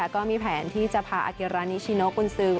ก็มีแผนที่จะพาอาเกรานิชิโนกุญซือ